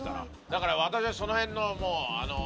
だから私はそのへんの。